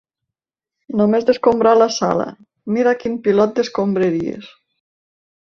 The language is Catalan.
Només d'escombrar la sala, mira quin pilot d'escombraries!